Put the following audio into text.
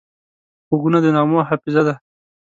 غوږونه د نغمو حافظه ده